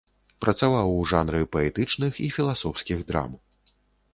Працаваў у жанры паэтычных і філасофскіх драм.